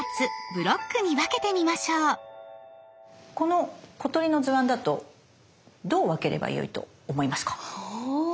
この「小鳥」の図案だとどう分ければよいと思いますか？